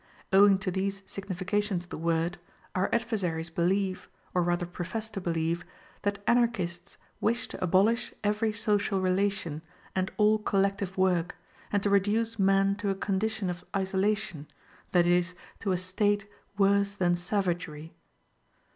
Owing to these significations of the word, our adversaries believe, or rather profess to believe, that Anarchists wish to abolish every social relation and all collective work, and to reduce man to a condition of isolation, that is, to a state worse than savagery.